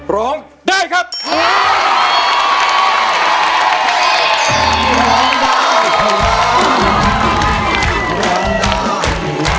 ร้องได้ครับ